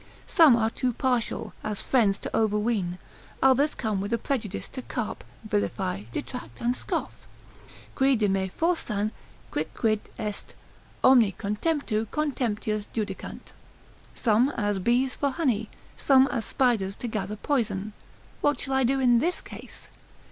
Some are too partial, as friends to overween, others come with a prejudice to carp, vilify, detract, and scoff; (qui de me forsan, quicquid est, omni contemptu contemptius judicant) some as bees for honey, some as spiders to gather poison. What shall I do in this case?